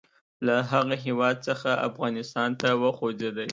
له هغه هیواد څخه افغانستان ته وخوځېدی.